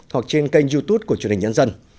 hoặc trên kênh youtube của truyền hình nhân dân